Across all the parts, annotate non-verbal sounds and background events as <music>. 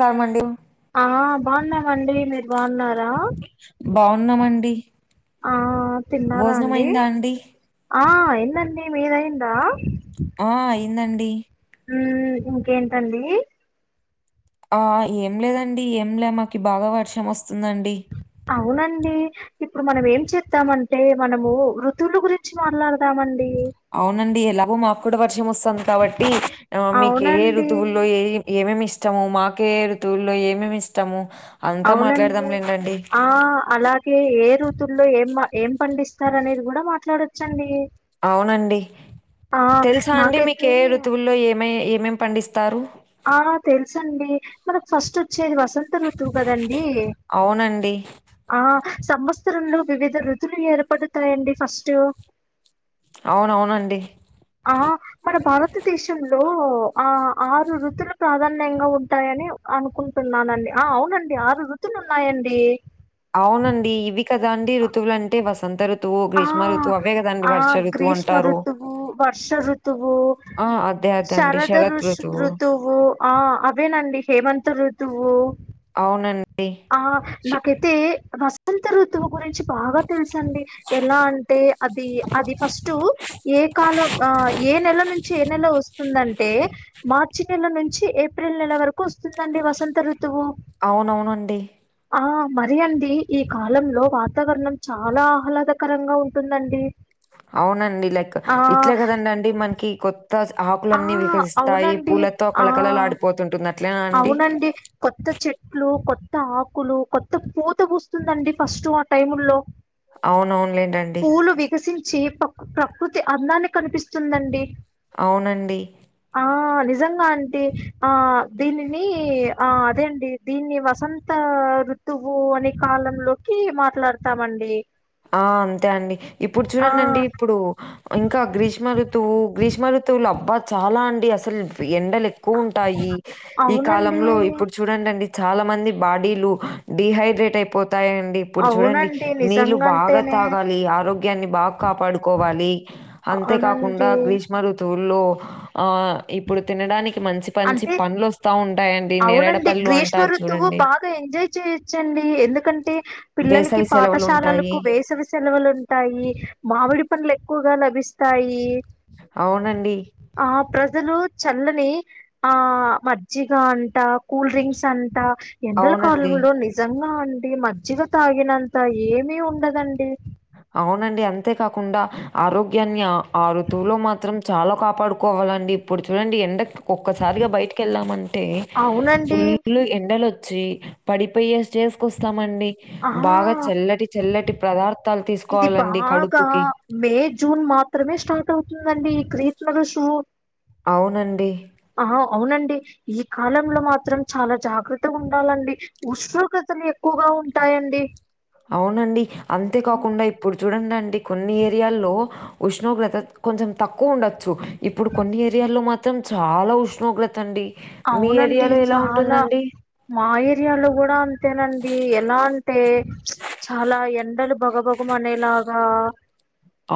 కామండి ఆ బాగున్నామండి మీరు బాగున్నారా బాగున్నామండి ఆ తిన్నారా భోజనం అండి అయిందా ఆ అయింది మీది ఆయిందా ఆ అయిందండి ఉ ఇంకేంటి అండి ఆ ఏం లేదండి ఏం లే మాకి బాగా వర్షం వస్తుందండి అవునండి ఇప్పుడు మనం ఏం చెద్దామంటే మనము ఋతువులు గురించి మాట్లాడదామండి అవునండి ఎలాగో మాకుడా వ వర్షం వస్తంది కాబట్టి మీకు ఏ ఏ అవునండి ఋతువుల్లో ఏ ఏమేమి ఇస్త ఇష్టము మాకే ఋతువుల్లో ఏమేమి ఇష్టము అంతా మాట్లాడదాం అవునండి లేండండి ఆ అలాగే ఏరు తుల్లో ఏం ఏం పండిస్తారు అనేది కూడా మాట్లాడచ్చు అండి అవునండి తెలుసా అండి నాకైతే మీకే ఏ ఋతువుల్లో ఏమే ఏమేమి పండిస్త ఆ తెలుసు అండి మనకు ఫస్ట్ వచ్చేది వసంత ఋతువు కదండీ అవునండి ఆ సంవత్సరంలో వివిధ ఋతువులు ఏర్పడతాయండి ఫస్ట్ అవునవును అండి ఆ మన భారతదేశంలో ఆ ఆరు ఋతులు ప్రాధాన్యంగా ఉంటాయ నీ అనుకుంటున్నానండి ఆ అవునండి ఆరు ఋుతులు ఉన్నాయండి అవునండి ఇవి కదాండి ఋతువులంటే వసంత ఋతు ఆ ఆ గ్రీష్మ అంటారు. ఋతువు, వర్ష ఋతువు ఆ! అదే అదే అండి. శరద శరత్ ఋష్ ఋతువు ఆ అవేనండి హేమంత్ ఋతువు అవునండి ఆ షి నాకైతే వసంత ఋతువు గురించి బాగా తెలుస అండి ఎలా అంటే అది అది ఫస్ట్ ఏ కాలం ఏ నెల నుంచి ఏ నెల వస్తుందంటే మార్చి నెల నుంచి చి ఏప్రిల్ నెల వరకు వస్తుందండి వసంత ఋతువు అవునవునండి. ఆ మరి అండి ఈ కాలంలో వాతావరణం చాలా ఆహ్లాదకరంగా ఉంటుంది అండి అవునండి లైక్ ఇట్లే కదండడి అండి మనకి కొ ఆ! ఆకులన్నీ వికసిస్తాయి అవునండి. పూలతో ఆ! కలకలలు ఆడిపోతుంటున్న అవునండి కొత్త చెట్లు కొ కొత్త ఆకులు కొత్త పూత వస్తుందండి ఫస్ట్ ఆ టైము లో అవునవునులేంటండి చేపక్ ప్రకృతి అందాన్ని కనిపిస్తుందండి అవునండి ఆ నిజంగా అంత ఆ దీనిని ఆ అదే అండి దీన్ని వసంత ఋతువు అనే కాలంలోకి మాట్లాడతామండి ఆ అంతే అండి ఇప్పుడు ఆ చూడండి ఇప్పుడు ఇంకా గ్రీష్మ ఋతువు గ్రీష్మ ఋతు తులభ చాలా అండి అసలు ఎండలు ఎక్కువ ఉంటాయి ఈ అవునండి కాలంలో ఇప్పుడు చూడండి చాలా మంది బాడీలు డిహైడ్రేట్ అయిపోతాయిండి ఇప్పుడు చూడండి అవునండి నీళ్ళు బాగా నిజంగంటేనే తాగాలి ఆరోగ్యాన్ని బాగా కాపాడుకోవాలి అంతేకాకుండా అవునండి గ్రీష్మ ఋతు ఊలో ఆ ఇప్పుడు తినడానికి మంచి మంచి అంటే పనులు వస్తా ఉంటా అవునండి గ్రీష్మ ఋతువు బాగా ఎంజాయ్ చేయొచ్చండి ఎందుకంటే పిల్లలకి వేసవి సెలవులుంటాయి. పాఠశాలలకు వేసవి సెలవులు ఉంటాయి మామిడి పనులు ఎక్కువగా స్తాయి అవునండి. ఆ ప్రజలు చల్లని ఆ మజ్జిగ అంటా కూల్ డ్రింక్స్ అంటా ఎండల అవునండి. కాలంలో నిజంగా అండి మజ్జిగ తాగినంత ఏమి ఉండదండి అవునండి అంతేకాకుండా ఆరోగ్యాన్ని ఆ ఆ ఋతువులో మాత్రం చాలా కాపాడుకోవాలండి ఇప్పుడు చూడండి ఎండ ఒక్కసారిగా బయటికి వెళ్ళామంటే అవునండి ఫుల్ ఎండలు వ వచ్చ పడిపోయ చేసుకొస్తామండి ఆ బాగా చల్లటి చెల్లటి పదార్థ ఇది బాగా మే జూన్ మాత్రమే స్టార్ట్ అవుతుందండి ఈ గ్రిష్మ రూతువు అవునండి ఆ అవునండి ఈ కాలంలో మాత్రం చాలా జాగ్రత్తగా ఉండాలండి ఉష్ణోగ్రతలు ఎక్కువగా ఉంటాయండి అవునండి అంతే కాకుండా ఇప్పుడు చూడండి అండి కొన్ని ఏరియాల్లో ఉష్ణోగ్రత కొంచెం తక్కువ ఉండొచ్చు ఇప్పుడు కొన్ని ఏరియాల్లో మాత్రం చాలా ఉష్ణోగ్రత అండి మీ అవునండి ఏరియాలో ఎలా చాలా ఉంటుందండి మా ఏరియాలో కూడా అంతేనండి ఎలా అంటే చ్ చాలా ఎండలు బగబగం అనేలాగా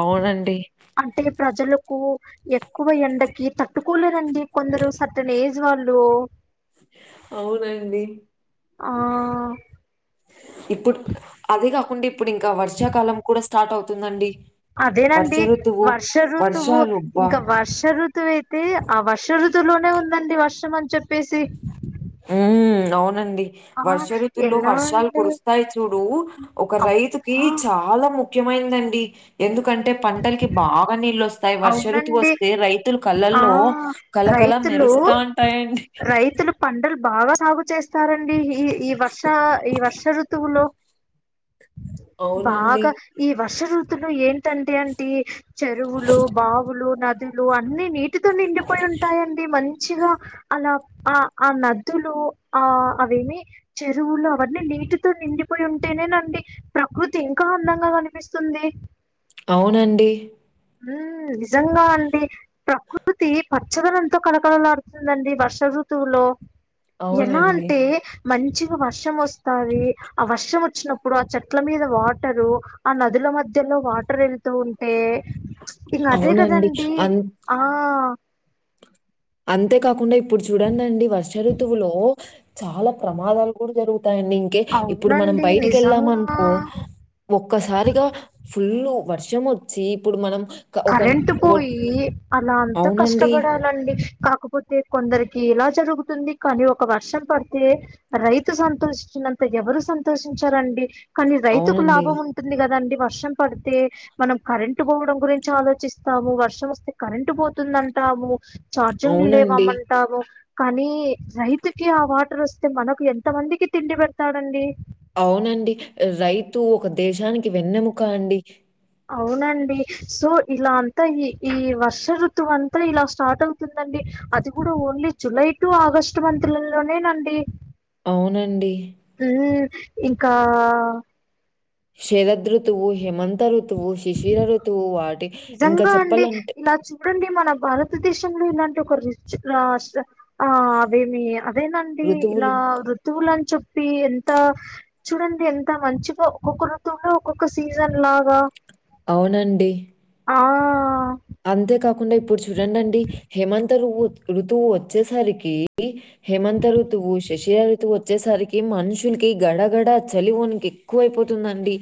అవునండి. అంటే ప్రజలు కో ఎక్కువ ఎండకి తట్టుకోలేరండి కొందరు సర్టన్ ఏజ్ వాళ్ళు అవునండి ఆ ఇప్పుడు అదే కాకుండా ఇప్పుడు ఇంకా వర్షాకాలం కూడా స్టార్ట్ అవుతుందండి వర్ష అదేనండి ఋతువు వర్ష ఋతువు వర్షాలు అబ్బా ఇంకా వర్ష ఋతువు అయితే ఆ వర్ష ఋతువు త్తలోనే ఉందండి వర్షం అని చెప్పేసి ఉమ్మ్ అవునండి ఆ వర్ష ఋతులో ఎలా వర్షాలు అండి కురుస్తాయి చూడు ఒక రైతుకి అబ్బా చాలా ము ఖ్యమైందండి ఎందుకంటే పంటలకి బాగా నీళ్ళ వస్త వాయి వర్ష ఋతువు అవునండి వస్తే రైతులు ఆ కళ్ళల్లో కలకల రైతులు మెరుస్తా ఉంటాయండి రైతులు పంటలు బాగా సాగు చేస్తారండి ఈ ఈ వర్ష ఈ వర్ష ఋతువులో అవునండి బాగా ఈ వర్ష ఋతులు ఏంటంటే అంటే చెరువులు బావులు నదులు అన్ని నీటితో నిండిపోయి ఉంటాయి అండి మంచిగా అలా ఆ ఆ నద్దులు ఆ అవేమీ చెరువులు అవన్నీ నీటితో నిండిపోయి ఉంటేనేనండి ప్రకృతి ఇంకా అందంగా కనిపిస్తుంది అవునండి హమ్ నిజంగా అండి ప్రకృతి పచ్చదనంతో కలకలలాడుతుందండి వర్ష ఋతువులో ఎలా అవునండి అంటే మంచిగా వర్షం వస్తాది ఆ వర్షం వచ్చినప్పుడు ఆ చెట్ల మీద వాటరు ఆ నదులు మధ్యలో వాటర్ వెళ్తూ ఉంటే ఇంగ అదే అవునండి కదండి అం ఆ అంతేకాకుండా ఇప్పుడు చూడండి అండి వర్ష ఋతువులో చాలా ప్రమాదాలు కూడా జరుగు తాయి అండి ఇంకే ఇప్పుడు మనం అవునండి బయటికి వెళ్ళాం అనుకో నిజంగా ఒక్కసారిగా ఫుల్లు వర్షం వచ్చి ఇప్పుడు మనం క ఒక కరెంట్ ఒ పోయి అలా అంతా అవునండి. కష్టపడాలండి కాకపోతే కొందరికి ఇలా జరుగుతుంది కానీ ఒక వర్షం పడితే రైతు సంతోషం నంత ఎవరు సంతోషించారండి కానీ రైతుకు అవునండి. లాభం ఉంటుంది కదండి వర్షం పడితే మనం కరెంటు పోవడం గురించి ఆలోచిస్తాము వర్షం వస్తే కరెంటు పోతుంది అంటాము చార్జింగ్ అవునండి. లేవ్వమంటాము కానీ రైతుకి ఆ వాటర్ వస్తే మనకు ఎంత మందికి తిండి పెడతాడండి అవునండి రైతు ఒక దేశానికి వెన్నెముక అండి అవునండి సో ఇలా అంతా ఈ ఈ వర్ష ఋతువు అంతా ఇలా స్టార్ట్ అవుతుందండి అది కూడా only July to August month లోనేనండి అవునండి ఇంకా షరద్ ఋతవు హేమంత ఋతువు శిశిర ఋతువు వాడు నిజంగా అండి ఇలా చూడండి మన భారతదేశంలో ఇలాంటి ఒక రిచ్ రాష్ట్ర ఆ అవేమి అదేనండి ఇలా ఋతువులు ఋతువులని చే పి ఎంత చూడండి ఎంత మంచిగా ఒక్కొక్క ఋతువుల్లో ఒక్కొక్క సీజన్ లాగా అవునండి ఆ అంతే కాకుండా ఇప్పుడు చూడండి అండి హేమంత బు ఋతువు వచ్చేసరికి హేమంత ఋతువు శశిర ఋతు తువు వచ్చేసరికి మనుషులకి గడగడ చలి వణికి ఎక్కువ అయిపోతుందండి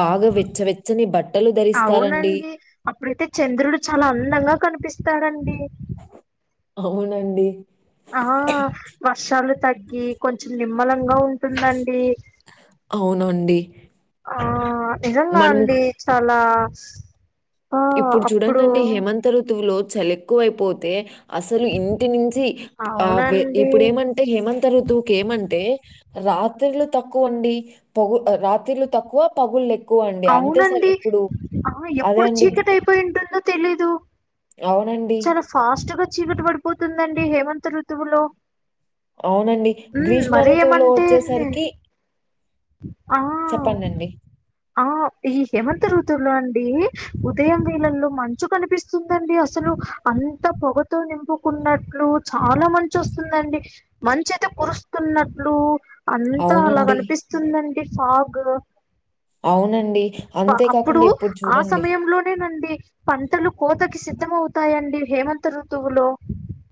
బాగా వెచ్చవెచ్చని బట్టలు ధరిస్తారండి ఇంద్రుడు చాలా అందంగా కనిపిస్తాడండి అవునండి ఆ వర్షాలు తగ్గి కొంచెం నిమ్మలంగా ఉంటుందండి అవునండి ఆ నిజంగా మనము అండి చాలా బస్ ఇప్పుడు చూడండి అండి హేమంత ఋతువులో చలెక్కువ అయిపోతే అసలు ఇంటి నుంచి ఆ అవునండి ఇప్పుడు ఏమంటే హేమం ఋతువు ఏమంటే రాత్రిలు తక్కువండి పగు రాత్రిలు తక్కువ పగులు అవునండి ఆ అదే ఎప్పుడు అండి. గ్- చీకటి ఐ పోయింటుందో తెలీదు అవునండి. చాల ఫాస్ట్ చీకటి పడిపోతుందండి హేమంత ఋతువులో అవునండి. ఉ 'గ్రీష్మ మరి ఋతువులో' ఏమంటే అండి చెప్పండి అండి ఆ ఈ హేమంత ఋతువులో అండి ఉదయం వేళ్లల్లో మంచు కనిపిస్తుందండి అసలు అంత పొగతో నింపుకున్నట్లు చాల మంచు వస్తుందండి మంచి అయితే కు కురుస్తున్నట్లు అంతా అలా అవునండి. కనిపిస్తుందండి సాగ్ అవునండి. అంతే అప్పుడు కాకుండా ఇప్పుడు ఆ చూడండి సమయంలో నేనండి పంటలు కోత సిద్ధమవుతాయండి హేమంత ఋతువులో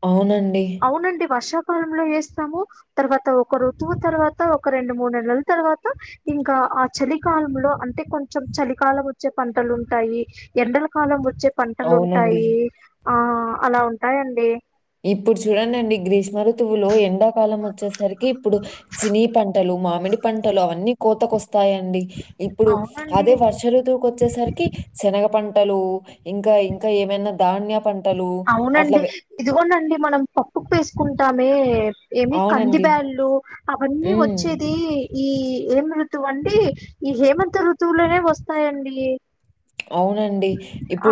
అవునండి కాలంలో ఎస్తాము తర్వాత ఒక ఋతువు తర్వాత ఒక రెండు మూడు నెలల తర్వాత ఇంక ఆ చలికాలంలో అంటే కొంచెం చలికాలం వచ్చే పంటలు ఉంటాయి ఎండల కాలం వచ్ వచ్చే పంటలు అవునండి. ఉంటాయి ఆ అలా ఉంటాయండి ఇప్పుడు చూడండిండి గ్రీష్మ ఋతువులో ఎండాకాలం వచ్చేసరికి ఇప్పుడు సినీ పంటలు మామిడి పంటలు అన్నీ కోతకొస్ స్తాయండి ఇప్పుడు అవునండి. అదే వర్ష ఋతువుకి వచ్చేసరికి శనగ పం పంటలు ఇంక ఇంక ఏమైనా ధాన్య పం అవునండి ఇదిగోండండి మనం పప్పుకు వేసుకుంటామే ఏమి కంది అవునండి. బ్యాలు అవన్నీ హ్మ్. వచ్చేది ఈ ఏం ఋతువు అండి ఈ హేమంత ఋతువులోనే వస్తాయండి అవునండి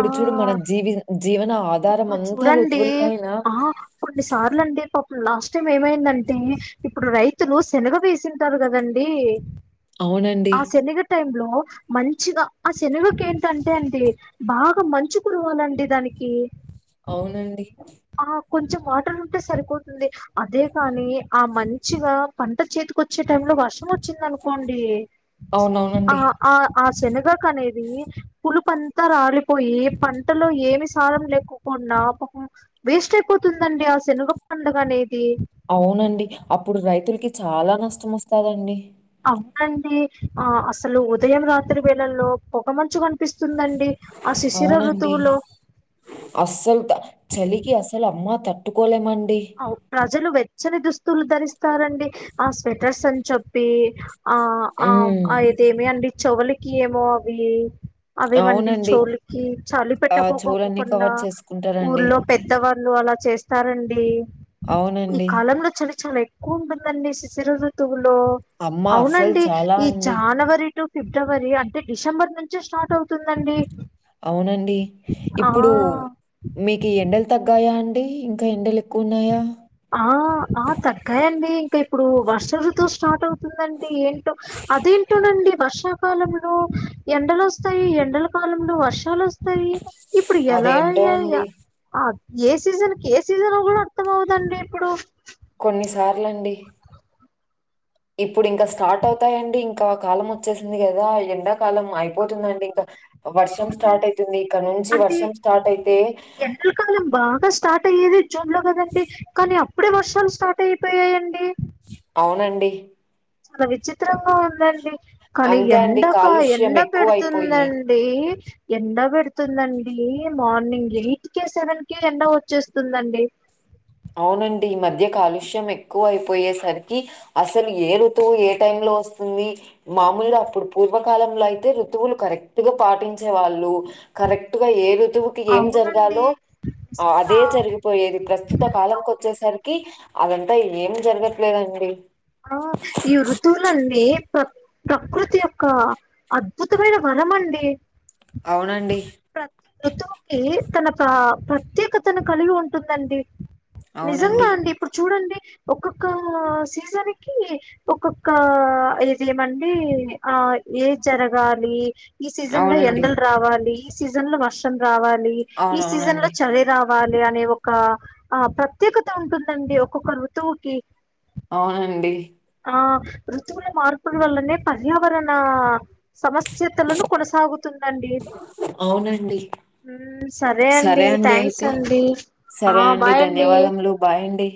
ఆ చూడు మన జీవి జీవన ఆధారం ఇప్పుడు అంతా చూడండి ఋతువుల పైన ఆ కొన్ని సర్లండి <unintelligible> లాస్ట్ టైం ఏమైందంటే ఇప్పుడు రైతులు శనగ వేసింటారు కదండీ అవునండి. ఆ సెనగ టైమ్ లో మంచిగా ఆ శనగకి ఏంటంటే అండి బాగ మంచు కురవాలండి దానికి అవునండి ఆ కొంచెం వాటర్ ఉంటే సరిపోతుంది అదే కాని ఆ మంచిగా పంట చే వచ్చే టైమ్ లో వర్షం వచ్చింది అనుకోండి ఆ అవునవునండి. ఆ ఆ శనగక అనేది పు అంతా రాలిపోయి పంటలో ఏమి సారంం లేకోకుండా పాపం వేస్ట్ అయిపోతుందండి అసలు ఆ శనగ పంట అనేది అవునండి అప్పుడు రైతులకి చాలా నష్టం వస్తాదండి అవునండి ఆ అసలు ఉదయం రాత్రి వేళల్లో పొగమంచు కొంట కప్పిస్తుందండి ఆ శిశిర అవునండి. ఋతువులో అస్సలు చలికి అస్సలు అమ్మా తట్టుకోలేమం ప్రజలు వెచ్చని దుస్తులు ధరిస్తారండి ఆ స్వెటర్స్ అని చెప్పి ఆ ఆ హ్మ్. అ ఇదేమి అండి చెవులకి ఏమో అవి అవేమండి అవునండి. చోలకి చలి ఆ! చెవులన్నీ పెట్టకోకుండ కవర్ చేసుకుంటారండి. ఊర్లో పెద్ద వాళ్ళు అలా చేస్తారండి ఈ అవునండి. కాలంలో చలి చాలాఎక్కువ ఉంటుందండి శిశిర ఋ లో అమ్మ అస్సలు అవునండి చాలా ఈ అండి. జానవరి టు ఫిబ్రవరి అంటే డిసెంబర్ నుంచే స్టార్ట్ అవుతుందండి అవునండి ఆ ఇప్పుడు మీకు ఎండలు తగ్గాయా అ అంటే ఇంకా ఎండలు ఎక్కువ ఉన్నాయా ఆ ఆ తగ్గాయి అండి ఇప్పుడు వర్ష ఋతువు స్టార్ట్ అవుతుందండి ఏంటో అదేంటోనండి వర్షాకాలంలో ఎండలు వస్తాయి ఎండల కాలంలో వర్షాలు వస్తాయి ఇప్పుడు ఎలా అదేంటో అయ్యాయి అండి. ఏ సీజన్ కి ఏ సీజన్ కూడా అర్థం కాదు కాదండి ఇప్పుడు కొన్నిసార్లాండి ఇప్పుడు ఇంకా స్టార్ట్ అవుతాయండి ఇంకా కాలం వచ్చేసింది కదా ఎండాకాలం అయిపోతుందండి ఇంకా వర్షం అవునండి స్టార్ట్ అవుతుంది ఇక్క నుంచి అంటే వర్షం స్టార్ట్ అయితే ఎండాకాలం బాగా స్టార్ట్ అయ్యేది జూన్ లో కదండి కానీ అప్పుడే వర్షాలు స్టార్ట్ అయిపోయాయండి అవునండి చాలా విచిత్రంగా ఉందండి కానీ అంతే అండి ఎండక కాలుష్యం ఎండ ఎక్కువైపోయి పెడుతుందండి ఎండ పెడుతుందండి మార్నింగ్ ఎయిట్ కె సెవెన్ కె ఎండ వచ్చేస్తుందండి అవునండి ఈ మధ్య కాలుష్యం ఎక్కువ అయిపోయేసరికి అసలు ఏ రుతువు ఏ టైమ్ లో వస్తుంది మామూలుగా అప్పుడు పూర్వకాలంలో అయితే ఋతువులు కరెక్ట్ గా పాటించే వాళ్ళు కరెక్ట్ గా ఏ ఋతువుకి ఏం అవునండి జరగాలో నిజంగా అదే జరిగిపోయేది ప్రస్తు కాలంకు వచ్చేసరికి అదంతా ఏం జరగట్లేదండి ఆ ఈ ఋతువులండి ప్ర ప్రకృతి యొక్క అద్భుతమైన వరం అండి అవునండి ఋతువుకి తన ప్ర ప్రత్యేకతను కలిగి ఉంటుందండి నిజంగా అవునండి. అండి ఇప్పుడు చూడండి ఒక్కొక్క సీజన్ ఒక్కొక్క ఇదిమంటే ఆ ఏది జరగాలి ఈ సీజన్ లో అవునండి. ఎండలు రావాలి ఈ సీజన్ లో వర్షం రావాలి ఈ సీజన్ లో అవునవునండి. చలి రావాలి అనే ఒక ఆ ప్రత్యేకత ఉంటుందండి ఒక్కొక్క ఋతువుకి అవునండి ఆ ఋతువుల మార్పుల వల్లనే పర్యావరణ సమస్యతలను కొనసాగుతుందండి అవునండి ఉమ్, సరే అండి థ్యాంక్స్ అయితే అండి ఆ సరే అండి బాయ్ ధన్యవాదములు బాయ్ అండి